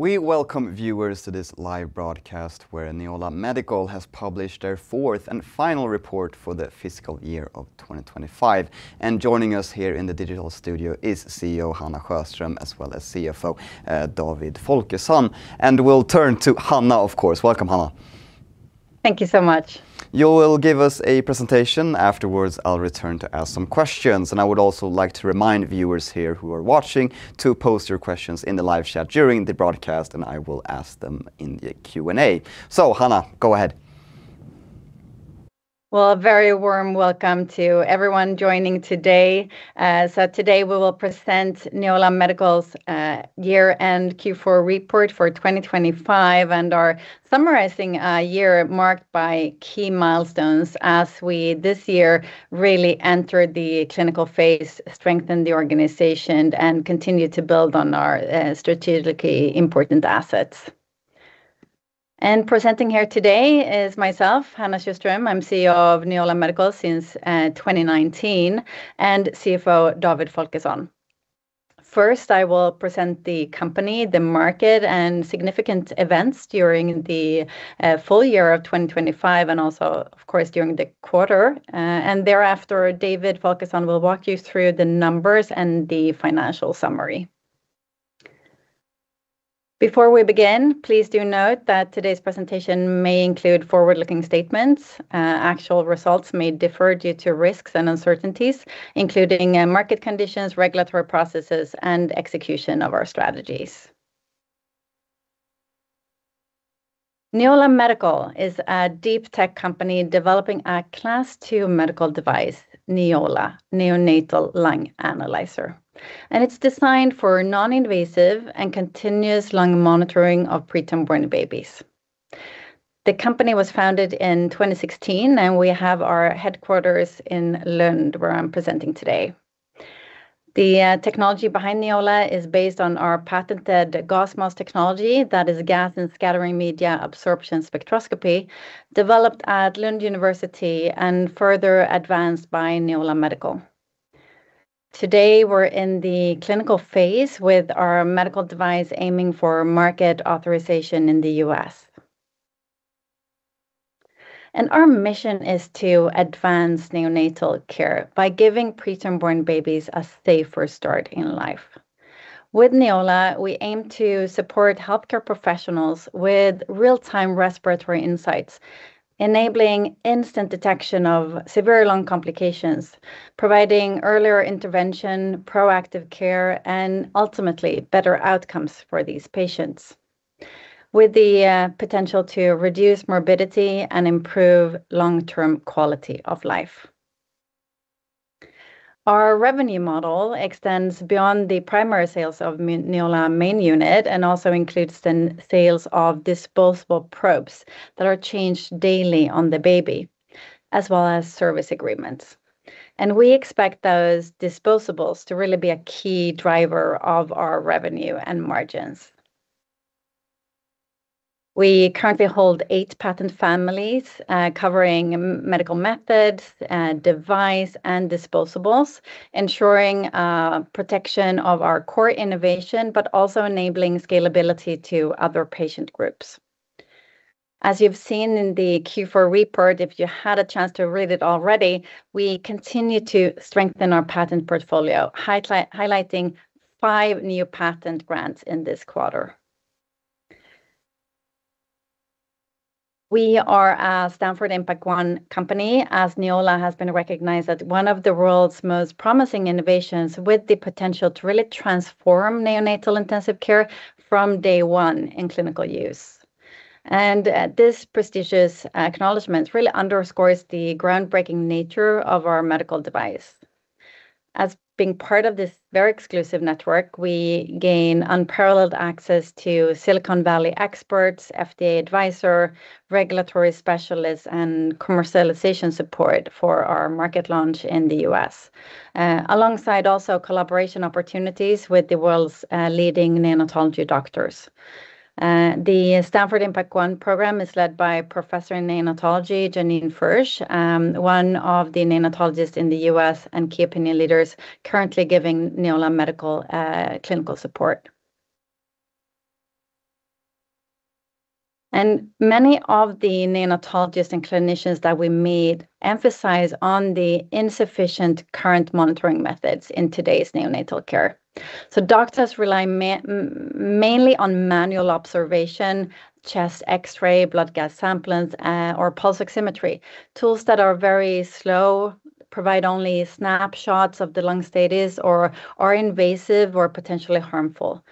We welcome viewers to this live broadcast, where Neola Medical has published their fourth and final report for the fiscal year of 2025. Joining us here in the digital studio is CEO Hanna Sjöström, as well as CFO David Folkesson. We'll turn to Hanna, of course. Welcome, Hanna. Thank you so much. You will give us a presentation. Afterwards, I'll return to ask some questions, and I would also like to remind viewers here who are watching to post their questions in the live chat during the broadcast, and I will ask them in the Q&A. So Hanna, go ahead. Well, a very warm welcome to everyone joining today. So today we will present Neola Medical's year-end Q4 report for 2025, and are summarizing a year marked by key milestones, as we, this year, really entered the clinical phase, strengthened the organization, and continued to build on our strategically important assets. Presenting here today is myself, Hanna Sjöström. I'm CEO of Neola Medical since 2019, and CFO David Folkesson. First, I will present the company, the market, and significant events during the full year of 2025, and also, of course, during the quarter. And thereafter, David Folkesson will walk you through the numbers and the financial summary. Before we begin, please do note that today's presentation may include forward-looking statements. Actual results may differ due to risks and uncertainties, including market conditions, regulatory processes, and execution of our strategies. Neola Medical is a deep tech company developing a Class 2 medical device, Neola, neonatal lung analyzer, and it's designed for non-invasive and continuous lung monitoring of preterm born babies. The company was founded in 2016, and we have our headquarters in Lund, where I'm presenting today. The technology behind Neola is based on our patented GASMAS technology, that is Gas and Scattering Media Absorption Spectroscopy, developed at Lund University and further advanced by Neola Medical. Today, we're in the clinical phase with our medical device, aiming for market authorization in the U.S. Our mission is to advance neonatal care by giving preterm born babies a safer start in life. With Neola, we aim to support healthcare professionals with real-time respiratory insights, enabling instant detection of severe lung complications, providing earlier intervention, proactive care, and ultimately, better outcomes for these patients, with the potential to reduce morbidity and improve long-term quality of life. Our revenue model extends beyond the primary sales of Neola main unit, and also includes the sales of disposable probes that are changed daily on the baby, as well as service agreements. We expect those disposables to really be a key driver of our revenue and margins. We currently hold eight patent families, covering medical methods, device, and disposables, ensuring protection of our core innovation, but also enabling scalability to other patient groups. As you've seen in the Q4 report, if you had a chance to read it already, we continue to strengthen our patent portfolio, highlighting five new patent grants in this quarter. We are a Stanford Impact1 company, as Neola has been recognized as one of the world's most promising innovations, with the potential to really transform neonatal intensive care from day one in clinical use. And, this prestigious acknowledgement really underscores the groundbreaking nature of our medical device. As being part of this very exclusive network, we gain unparalleled access to Silicon Valley experts, FDA advisor, regulatory specialists, and commercialization support for our market launch in the U.S. Alongside also collaboration opportunities with the world's leading neonatology doctors. The Stanford Impact1 program is led by Professor in Neonatology, Janene Fuerch, one of the neonatologists in the U.S. and key opinion leaders currently giving Neola Medical clinical support. Many of the neonatologists and clinicians that we meet emphasize on the insufficient current monitoring methods in today's neonatal care. Doctors rely mainly on manual observation, chest X-ray, blood gas samplings, or pulse oximetry. Tools that are very slow, provide only snapshots of the lung status or are invasive or potentially harmful.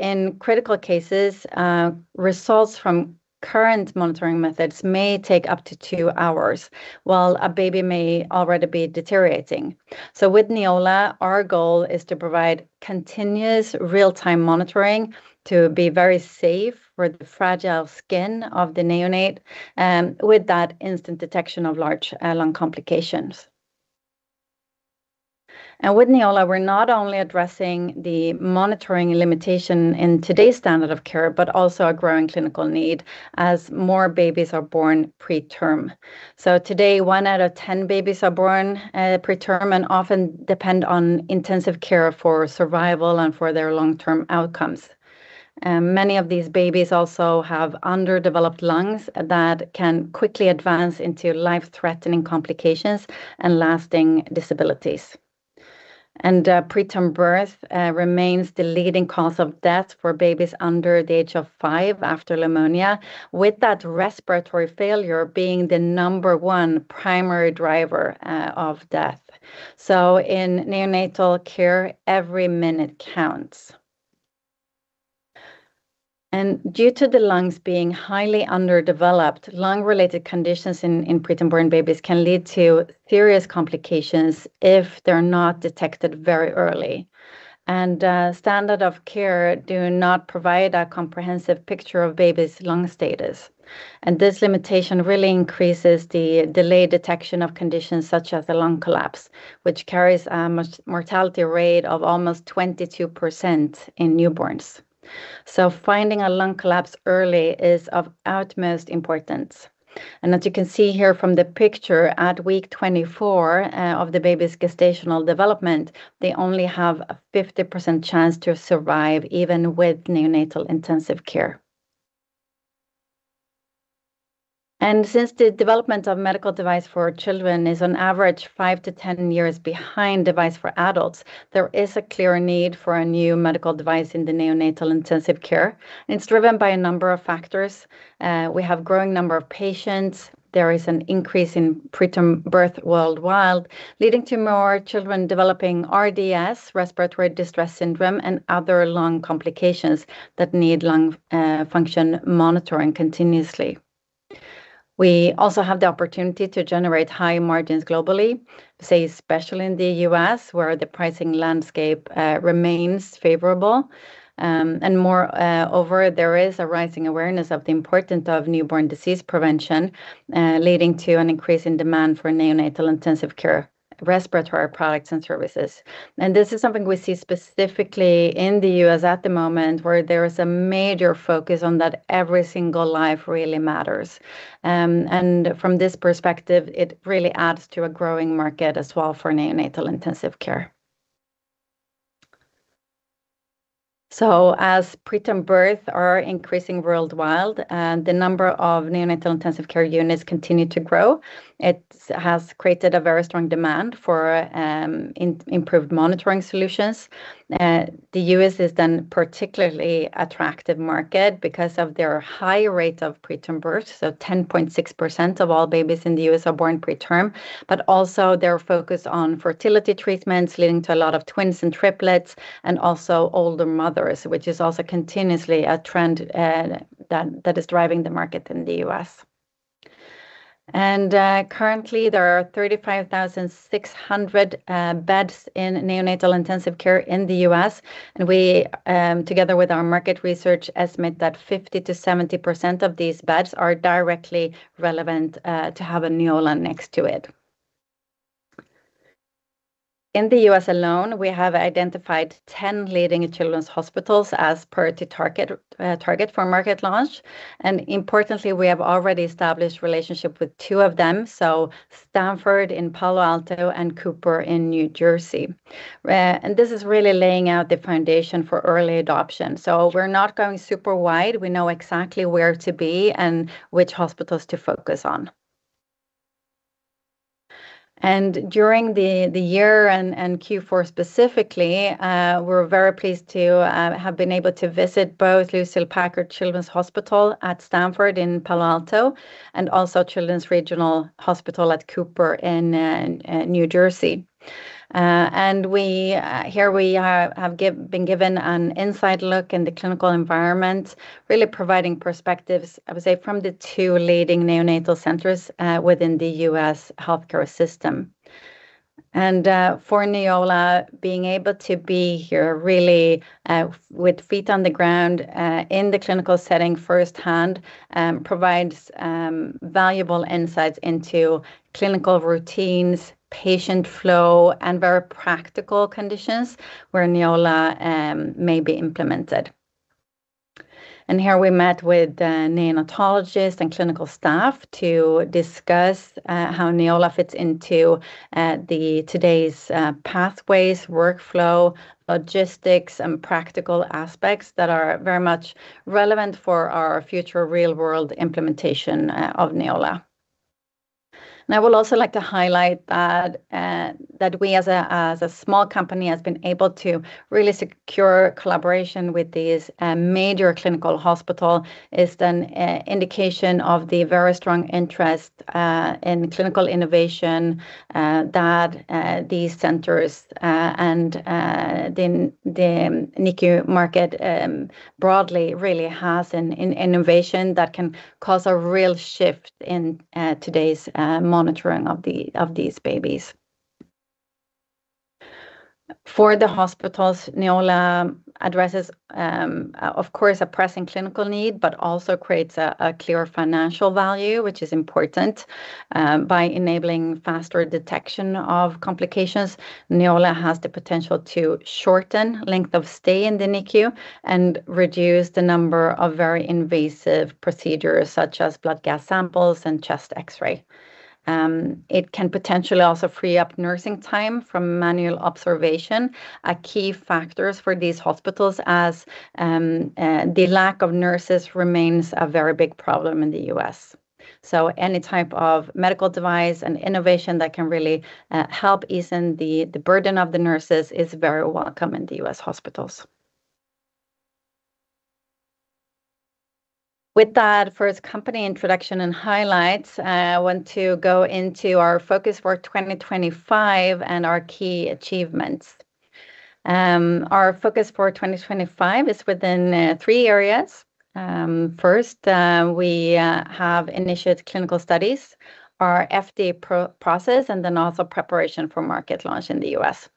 In critical cases, results from current monitoring methods may take up to two hours, while a baby may already be deteriorating. With Neola, our goal is to provide continuous real-time monitoring, to be very safe for the fragile skin of the neonate, with that instant detection of large lung complications. With Neola, we're not only addressing the monitoring limitation in today's standard of care, but also a growing clinical need as more babies are born preterm. So today, one out of 10 babies are born preterm, and often depend on intensive care for survival and for their long-term outcomes. Many of these babies also have underdeveloped lungs that can quickly advance into life-threatening complications and lasting disabilities. Preterm birth remains the leading cause of death for babies under the age of five after pneumonia, with that respiratory failure being the number one primary driver of death. So in neonatal care, every minute counts. Due to the lungs being highly underdeveloped, lung-related conditions in preterm born babies can lead to serious complications if they're not detected very early. Standard of care do not provide a comprehensive picture of baby's lung status. This limitation really increases the delayed detection of conditions such as the lung collapse, which carries a mortality rate of almost 22% in newborns. Finding a lung collapse early is of utmost importance. As you can see here from the picture, at week 24 of the baby's gestational development, they only have a 50% chance to survive, even with neonatal intensive care. Since the development of medical device for children is on average five to 10 years behind device for adults, there is a clear need for a new medical device in the neonatal intensive care. It's driven by a number of factors. We have growing number of patients. There is an increase in preterm birth worldwide, leading to more children developing RDS, respiratory distress syndrome, and other lung complications that need lung function monitoring continuously. We also have the opportunity to generate high margins globally, say, especially in the U.S., where the pricing landscape remains favorable. And more over, there is a rising awareness of the importance of newborn disease prevention, leading to an increase in demand for neonatal intensive care, respiratory products and services. And this is something we see specifically in the U.S. at the moment, where there is a major focus on that every single life really matters. And from this perspective, it really adds to a growing market as well for neonatal intensive care. So as preterm birth are increasing worldwide, and the number of neonatal intensive care units continue to grow, it has created a very strong demand for improved monitoring solutions. The U.S. is then particularly attractive market because of their high rate of preterm birth. So 10.6% of all babies in the U.S. are born preterm, but also their focus on fertility treatments, leading to a lot of twins and triplets, and also older mothers, which is also continuously a trend that is driving the market in the U.S. And currently, there are 35,600 beds in neonatal intensive care in the U.S. And we together with our market research estimate that 50%-70% of these beds are directly relevant to have a Neola next to it. In the U.S. alone, we have identified 10 leading children's hospitals as per to target, target for market launch. And importantly, we have already established relationship with two of them, so Stanford in Palo Alto and Cooper in New Jersey. And this is really laying out the foundation for early adoption. So we're not going super wide. We know exactly where to be and which hospitals to focus on. And during the year and Q4 specifically, we're very pleased to have been able to visit both Lucile Packard Children's Hospital at Stanford in Palo Alto, and also Children's Regional Hospital at Cooper in New Jersey. And we have been given an inside look in the clinical environment, really providing perspectives, I would say, from the two leading neonatal centers within the U.S. healthcare system. For Neola, being able to be here really, with feet on the ground, in the clinical setting firsthand, provides valuable insights into clinical routines, patient flow, and very practical conditions where Neola may be implemented. And here we met with the neonatologist and clinical staff to discuss how Neola fits into today's pathways, workflow, logistics, and practical aspects that are very much relevant for our future real-world implementation of Neola. I would also like to highlight that we, as a small company, has been able to really secure collaboration with these major clinical hospital, is an indication of the very strong interest in clinical innovation that these centers and the NICU market broadly really has an innovation that can cause a real shift in today's monitoring of these babies. For the hospitals, Neola addresses, of course, a pressing clinical need, but also creates a clear financial value, which is important. By enabling faster detection of complications, Neola has the potential to shorten length of stay in the NICU and reduce the number of very invasive procedures, such as blood gas samples and chest X-ray. It can potentially also free up nursing time from manual observation, a key factors for these hospitals, as the lack of nurses remains a very big problem in the U.S. So any type of medical device and innovation that can really help ease the, the burden of the nurses is very welcome in the U.S. hospitals. With that first company introduction and highlights, I want to go into our focus for 2025 and our key achievements. Our focus for 2025 is within three areas. First, we have initiated clinical studies, our FDA process, and then also preparation for market launch in the U.S.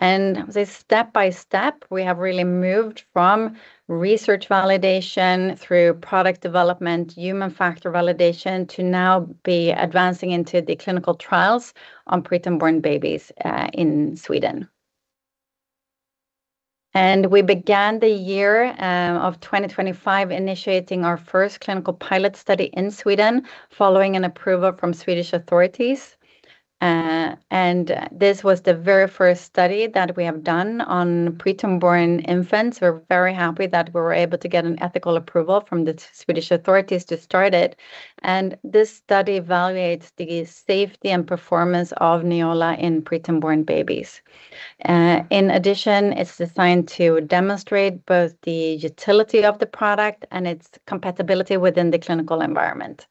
This step-by-step, we have really moved from research validation through product development, human factor validation, to now be advancing into the clinical trials on preterm born babies in Sweden. We began the year of 2025, initiating our first clinical pilot study in Sweden, following an approval from Swedish authorities. This was the very first study that we have done on preterm born infants. We're very happy that we were able to get an ethical approval from the Swedish authorities to start it. This study evaluates the safety and performance of Neola in preterm born babies. In addition, it's designed to demonstrate both the utility of the product and its compatibility within the clinical environment.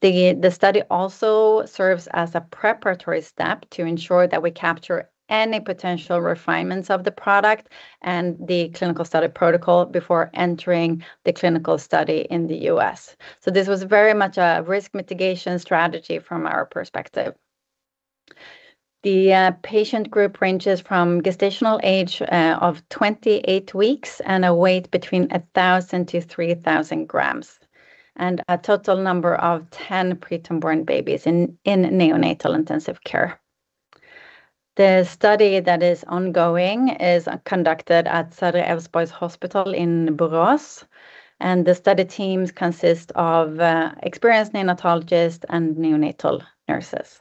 The study also serves as a preparatory step to ensure that we capture any potential refinements of the product and the clinical study protocol before entering the clinical study in the U.S. This was very much a risk mitigation strategy from our perspective. The patient group ranges from gestational age of 28 weeks and a weight between 1,000-3,000 grams, and a total number of 10 preterm born babies in neonatal intensive care. The study that is ongoing is conducted at Södra Älvsborg Hospital in Borås, and the study teams consist of experienced neonatologist and neonatal nurses.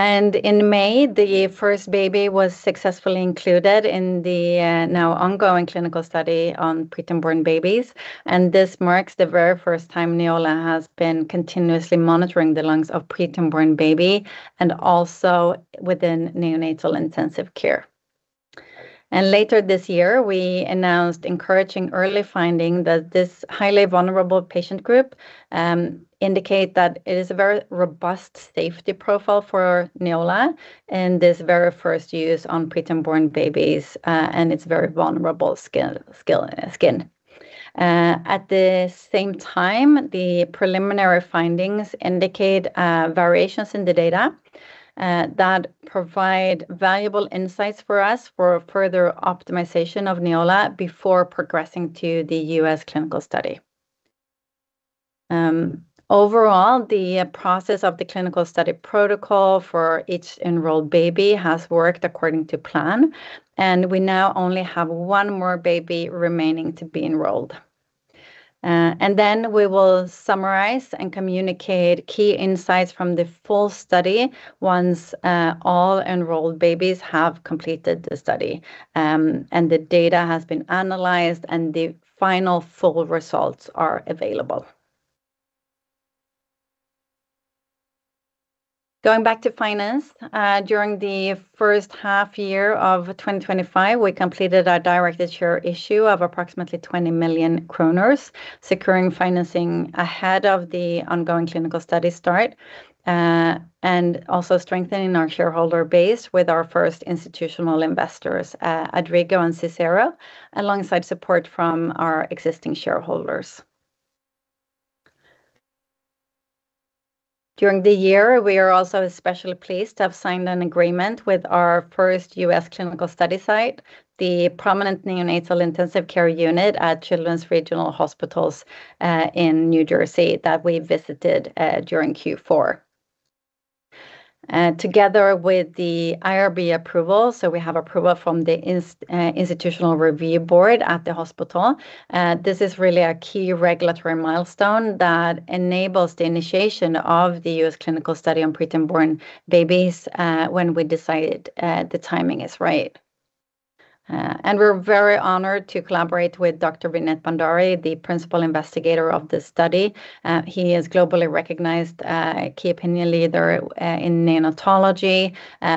In May, the first baby was successfully included in the now ongoing clinical study on preterm born babies, and this marks the very first time Neola has been continuously monitoring the lungs of preterm born baby and also within neonatal intensive care. Later this year, we announced encouraging early finding that this highly vulnerable patient group indicate that it is a very robust safety profile for Neola and this very first use on preterm born babies and its very vulnerable skin. At the same time, the preliminary findings indicate variations in the data that provide valuable insights for us for further optimization of Neola before progressing to the U.S. clinical study. Overall, the process of the clinical study protocol for each enrolled baby has worked according to plan, and we now only have one more baby remaining to be enrolled. Then we will summarize and communicate key insights from the full study once all enrolled babies have completed the study, and the data has been analyzed, and the final full results are available. Going back to finance, during the first half year of 2025, we completed our directed share issue of approximately 20 million kronor, securing financing ahead of the ongoing clinical study start, and also strengthening our shareholder base with our first institutional investors, Adrigo and Cicero, alongside support from our existing shareholders. During the year, we are also especially pleased to have signed an agreement with our first U.S. clinical study site, the prominent neonatal intensive care unit at Children's Regional Hospital at Cooper in New Jersey, that we visited during Q4. Together with the IRB approval, so we have approval from the Institutional Review Board at the hospital. This is really a key regulatory milestone that enables the initiation of the U.S. clinical study on preterm born babies, when we decide the timing is right. We're very honored to collaborate with Dr. Vineet Bhandari, the principal investigator of this study. He is globally recognized key opinion leader in neonatology.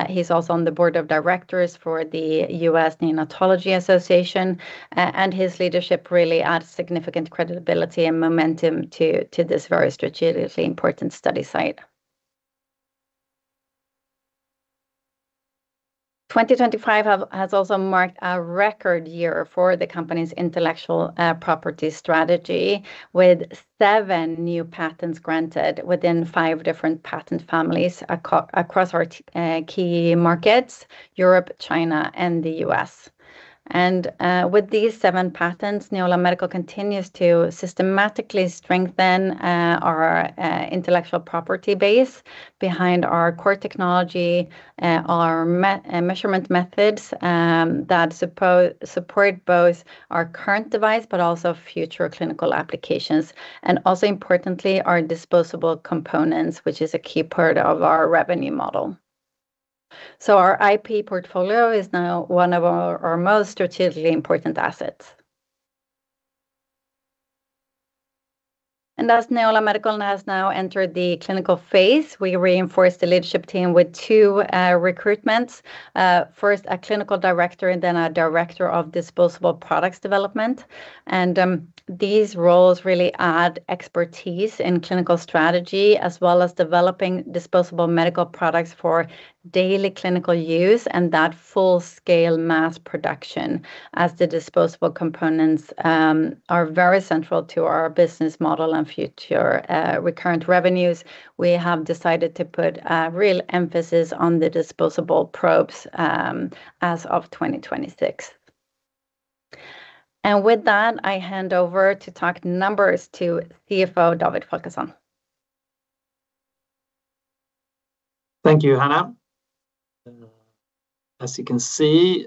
He's also on the board of directors for the U.S. Neonatology Association, and his leadership really adds significant credibility and momentum to this very strategically important study site. 2025 has also marked a record year for the company's intellectual property strategy, with seven new patents granted within five different patent families across our key markets, Europe, China, and the U.S. With these seven patents, Neola Medical continues to systematically strengthen our intellectual property base behind our core technology, and our measurement methods that support both our current device but also future clinical applications, and also importantly, our disposable components, which is a key part of our revenue model. Our IP portfolio is now one of our most strategically important assets. As Neola Medical has now entered the clinical phase, we reinforced the leadership team with two recruitments. First, a clinical director and then a director of disposable products development. These roles really add expertise in clinical strategy, as well as developing disposable medical products for daily clinical use and that full-scale mass production. As the disposable components are very central to our business model and future recurrent revenues, we have decided to put real emphasis on the disposable probes as of 2026. And with that, I hand over to talk numbers to CFO David Folkesson. Thank you, Hanna. As you can see,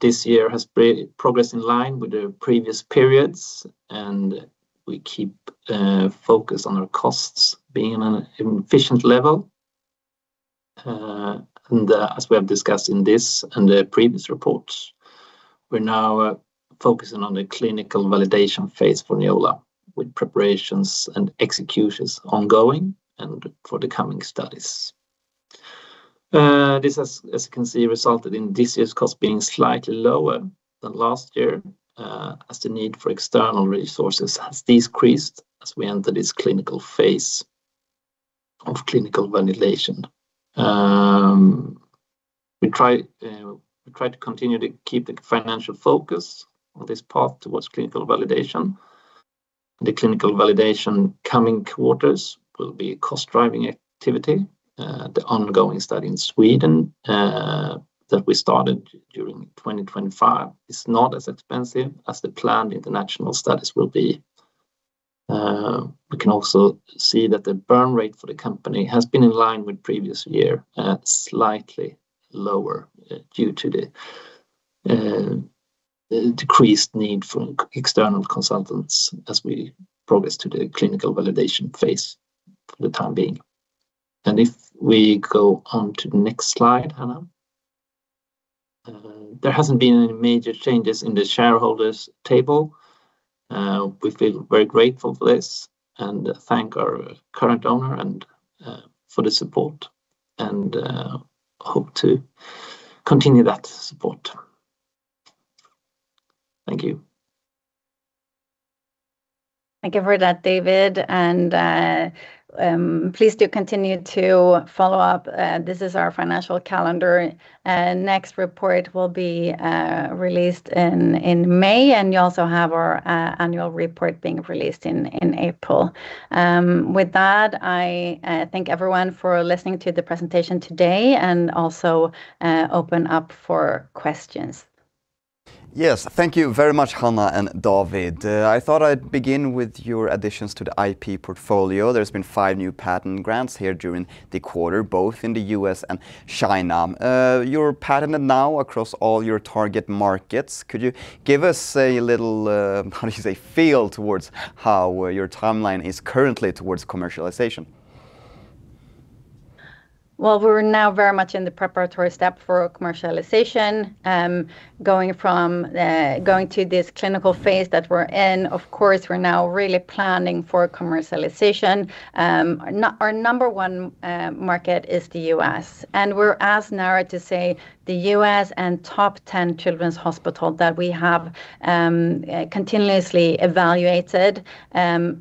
this year has been progress in line with the previous periods, and we keep focused on our costs being on an efficient level. As we have discussed in this and the previous reports, we're now focusing on the clinical validation phase for Neola, with preparations and executions ongoing and for the coming studies. This has, as you can see, resulted in this year's cost being slightly lower than last year, as the need for external resources has decreased as we enter this clinical phase of clinical validation. We try to continue to keep the financial focus on this path towards clinical validation. The clinical validation coming quarters will be cost-driving activity. The ongoing study in Sweden, that we started during 2025, is not as expensive as the planned international studies will be. We can also see that the burn rate for the company has been in line with previous year, at slightly lower due to the decreased need for external consultants as we progress to the clinical validation phase for the time being. And if we go on to the next slide, Hanna. There hasn't been any major changes in the shareholders table. We feel very grateful for this and thank our current owner and for the support and hope to continue that support. Thank you. Thank you for that, David, and please do continue to follow up. This is our financial calendar. Next report will be released in May, and you also have our annual report being released in April. With that, I thank everyone for listening to the presentation today and also open up for questions. Yes, thank you very much, Hannah and David. I thought I'd begin with your additions to the IP portfolio. There's been five new patent grants here during the quarter, both in the U.S. and China. You're patented now across all your target markets. Could you give us a little, how do you say, feel towards how your timeline is currently towards commercialization? Well, we're now very much in the preparatory step for commercialization, going from going to this clinical phase that we're in. Of course, we're now really planning for commercialization. Now our number one market is the U.S., and we're as narrowed to say, the U.S. and top 10 children's hospital that we have continuously evaluated.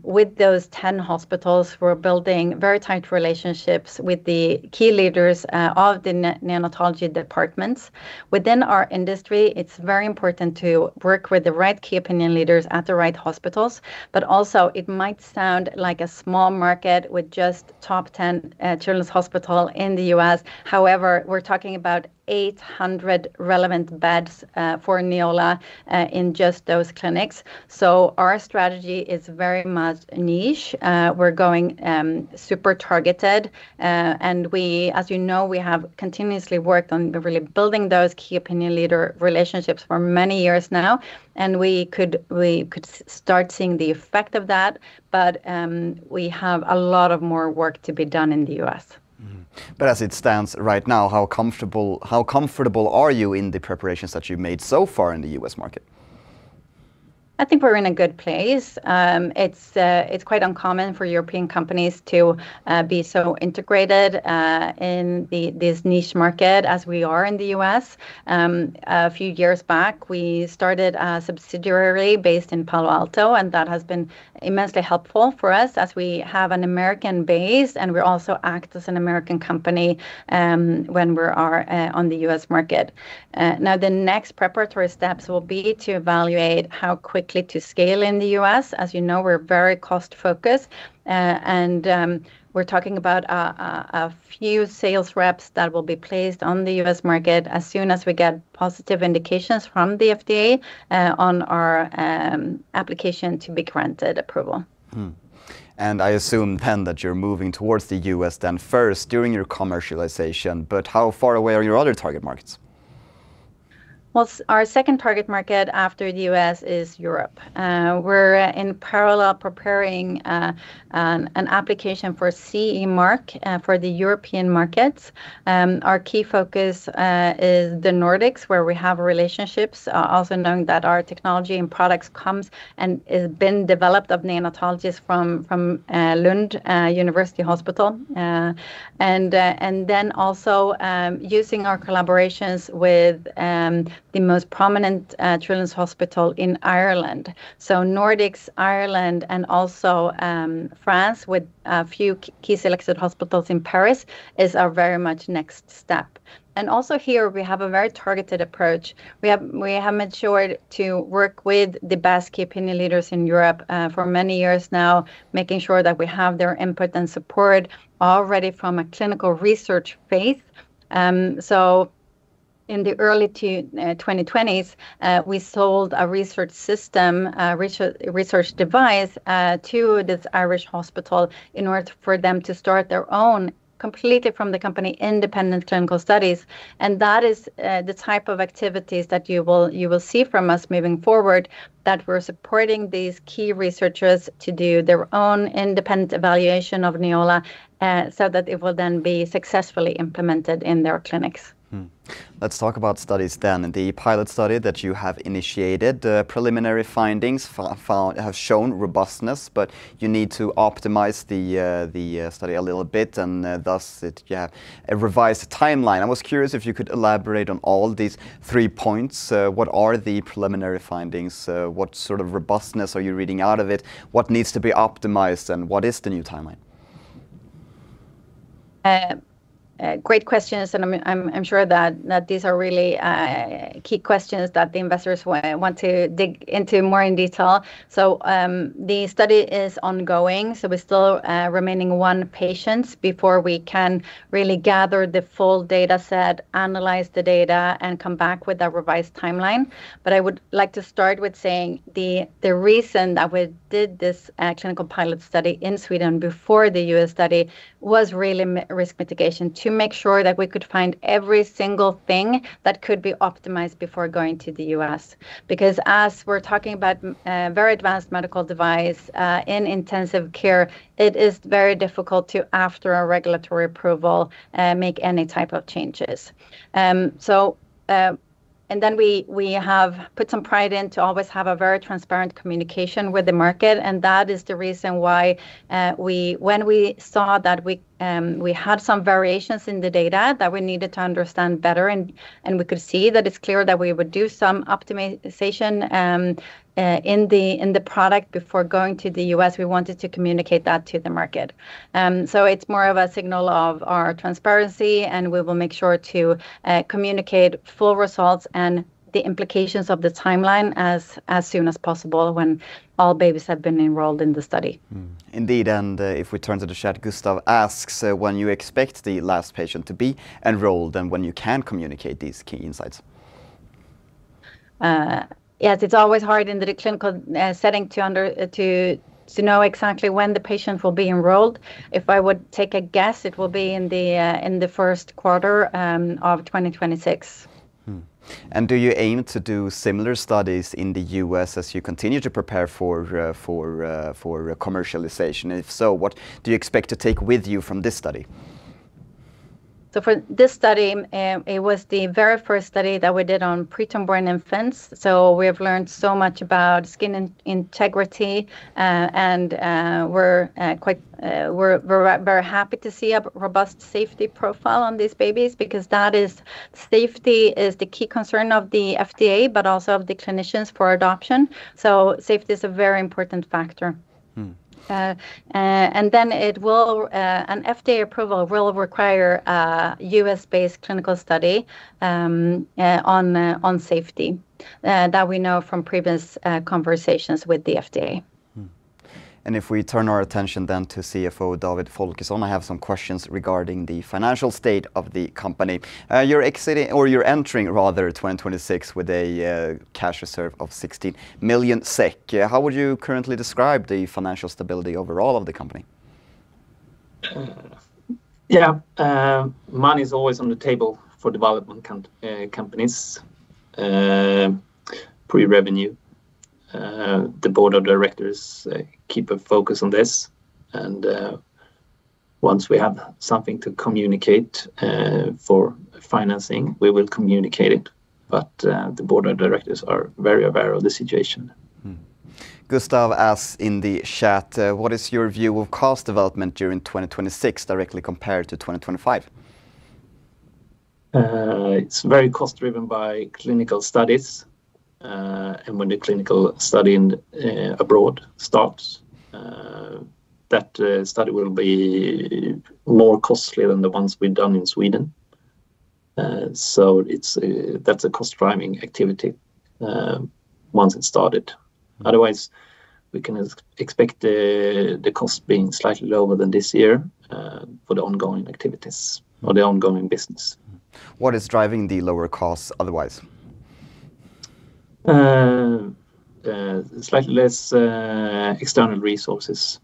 With those 10 hospitals, we're building very tight relationships with the key leaders of the neonatology departments. Within our industry, it's very important to work with the right key opinion leaders at the right hospitals, but also it might sound like a small market with just top 10 children's hospital in the U.S. However, we're talking about 800 relevant beds for Neola in just those clinics. So our strategy is very much niche. We're going super targeted, and we, as you know, we have continuously worked on really building those key opinion leader relationships for many years now, and we could start seeing the effect of that, but we have a lot more work to be done in the U.S. Mm-hmm. But as it stands right now, how comfortable, how comfortable are you in the preparations that you've made so far in the US market? ... I think we're in a good place. It's quite uncommon for European companies to be so integrated in this niche market as we are in the U.S. A few years back, we started a subsidiary based in Palo Alto, and that has been immensely helpful for us as we have an American base, and we also act as an American company when we are on the U.S. market. Now, the next preparatory steps will be to evaluate how quickly to scale in the U.S. As you know, we're very cost-focused, and we're talking about a few sales reps that will be placed on the U.S. market as soon as we get positive indications from the FDA on our application to be granted approval. I assume then that you're moving towards the U.S. then first during your commercialization, but how far away are your other target markets? Well, our second target market after the U.S. is Europe. We're in parallel preparing an application for CE mark for the European markets. Our key focus is the Nordics, where we have relationships, also knowing that our technology and products comes and it's been developed of neonatologist from Lund University Hospital. And then also, using our collaborations with the most prominent children's hospital in Ireland. So Nordics, Ireland, and also France, with a few key selected hospitals in Paris, is our very much next step. And also here, we have a very targeted approach. We have made sure to work with the best key opinion leaders in Europe for many years now, making sure that we have their input and support already from a clinical research phase. So in the early 2020s, we sold a research system, a research device, to this Irish hospital in order for them to start their own, completely from the company, independent clinical studies. That is the type of activities that you will see from us moving forward, that we're supporting these key researchers to do their own independent evaluation of Neola, so that it will then be successfully implemented in their clinics. Let's talk about studies then. The pilot study that you have initiated, the preliminary findings found have shown robustness, but you need to optimize the study a little bit, and thus it, a revised timeline. I was curious if you could elaborate on all these three points. What are the preliminary findings? What sort of robustness are you reading out of it? What needs to be optimized, and what is the new timeline? Great questions, and I'm sure that these are really key questions that the investors want to dig into more in detail. So, the study is ongoing, so we're still remaining one patient before we can really gather the full data set, analyze the data, and come back with a revised timeline. But I would like to start with saying the reason that we did this clinical pilot study in Sweden before the U.S. study was really risk mitigation, to make sure that we could find every single thing that could be optimized before going to the U.S. Because as we're talking about very advanced medical device in intensive care, it is very difficult to, after a regulatory approval, make any type of changes. We have put some pride into always have a very transparent communication with the market, and that is the reason why, when we saw that we had some variations in the data that we needed to understand better, and we could see that it's clear that we would do some optimization in the product before going to the U.S., we wanted to communicate that to the market. So it's more of a signal of our transparency, and we will make sure to communicate full results and the implications of the timeline as soon as possible when all babies have been enrolled in the study. Indeed, and, if we turn to the chat, Gustav asks, "When you expect the last patient to be enrolled, and when you can communicate these key insights? Yes, it's always hard in the clinical setting to know exactly when the patient will be enrolled. If I would take a guess, it will be in the first quarter of 2026. Do you aim to do similar studies in the U.S. as you continue to prepare for commercialization? If so, what do you expect to take with you from this study? So for this study, it was the very first study that we did on pre-term born infants, so we have learned so much about skin integrity. We're very happy to see a robust safety profile on these babies, because that is... Safety is the key concern of the FDA, but also of the clinicians for adoption. So safety is a very important factor. Mm. An FDA approval will require a U.S.-based clinical study on safety that we know from previous conversations with the FDA. If we turn our attention then to CFO David Folkesson, I have some questions regarding the financial state of the company. You're exiting, or you're entering, rather, 2026 with a cash reserve of 60 million SEK. How would you currently describe the financial stability overall of the company? Yeah, money is always on the table for development companies, pre-revenue. The board of directors keep a focus on this, and once we have something to communicate for financing, we will communicate it. But the board of directors are very aware of the situation. Gustav asks in the chat, "What is your view of cost development during 2026 directly compared to 2025? It's very cost driven by clinical studies. When the clinical study in abroad starts, that study will be more costly than the ones we've done in Sweden. So it's, that's a cost-driving activity, once it's started. Mm. Otherwise, we can expect the cost being slightly lower than this year, for the ongoing activities or the ongoing business. What is driving the lower costs otherwise? Slightly less external resources-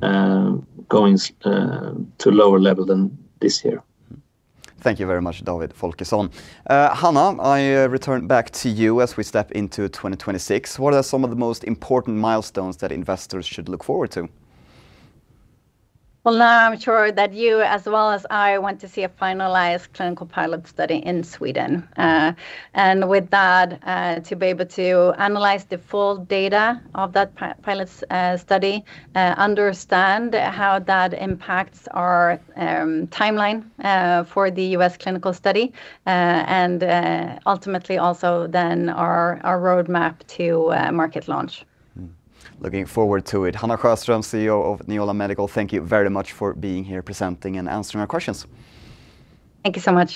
Mm... going to lower level than this year. Thank you very much, David Folkesson. Hanna, I return back to you as we step into 2026. What are some of the most important milestones that investors should look forward to? Well, now, I'm sure that you, as well as I, want to see a finalized clinical pilot study in Sweden. And with that, to be able to analyze the full data of that pilot study, understand how that impacts our timeline for the U.S. clinical study, and ultimately also then our roadmap to market launch. Looking forward to it. Hanna Sjöström, CEO of Neola Medical, thank you very much for being here presenting and answering our questions. Thank you so much.